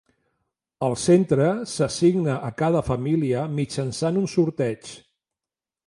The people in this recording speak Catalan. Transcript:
El centre s'assigna a cada família mitjançant un sorteig.